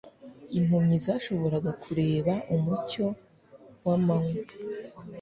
Impumyi zashoboraga kureba umucyo w'amanywa,